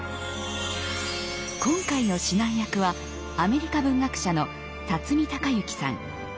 今回の指南役はアメリカ文学者の孝之さん。